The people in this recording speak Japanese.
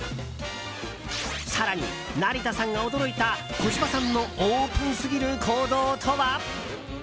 更に成田さんが驚いた小芝さんのオープンすぎる行動とは？